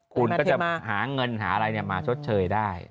คุณก็จะหาเงินหาอะไรมาชดเชยได้